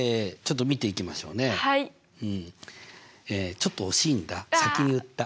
ちょっと惜しいんだ先に言った。